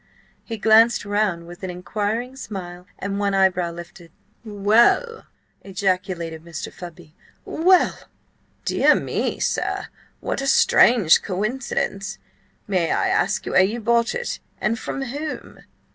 He glanced round with an inquiring smile and one eyebrow lifted. "Well!" ejaculated Mr. Fudby. "Well!" "Dear me, sir, what a strange coincidence! May I ask where you bought it, and from whom?"